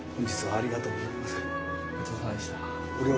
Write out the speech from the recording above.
ありがとうございます。